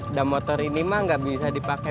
udah motor ini mah gak bisa dipake lagi